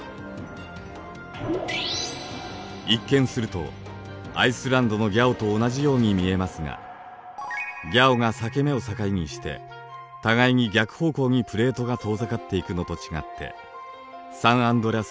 一見するとアイスランドのギャオと同じように見えますがギャオが裂け目を境にして互いに逆方向にプレートが遠ざかっていくのと違ってサンアンドレアス